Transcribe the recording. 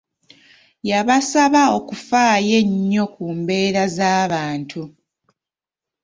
Yabasaba okufaayo ennyo ku mbeera z'abantu